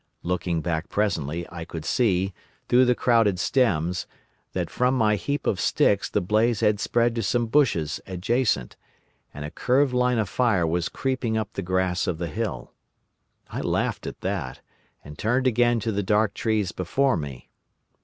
Looking back presently, I could see, through the crowded stems, that from my heap of sticks the blaze had spread to some bushes adjacent, and a curved line of fire was creeping up the grass of the hill. I laughed at that, and turned again to the dark trees before me.